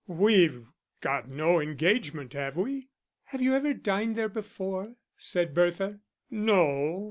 We've got no engagement, have we?" "Have you ever dined there before?" said Bertha. "No.